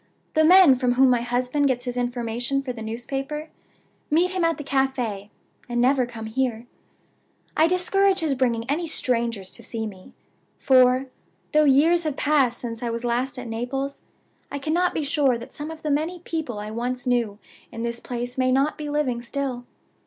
The men from whom my husband gets his information for the newspaper meet him at the cafe, and never come here. I discourage his bringing any strangers to see me; for, though years have passed since I was last at Naples, I cannot be sure that some of the many people I once knew in this place may not be living still.